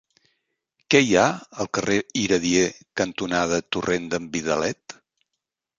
Què hi ha al carrer Iradier cantonada Torrent d'en Vidalet?